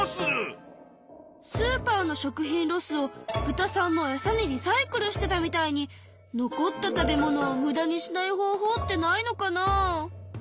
スーパーの食品ロスを豚さんのエサにリサイクルしてたみたいに残った食べ物をムダにしない方法ってないのかなあ？